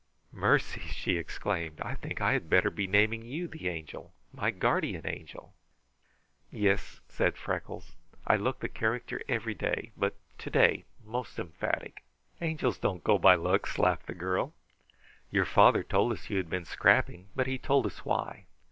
"Mercy!" she exclaimed. "I think I had better be naming you the 'Angel.' My Guardian Angel." "Yis," said Freckles. "I look the character every day but today most emphatic!" "Angels don't go by looks," laughed the girl. "Your father told us you had been scrapping. But he told us why.